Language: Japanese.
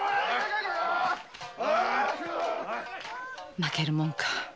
負けるもんか。